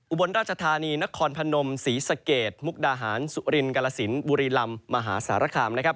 อุบลราชทานีนครพนมศรีสเกตมุกดาหารสุรินศ์กลสินศ์บุรีลำมหาสารคาร์ม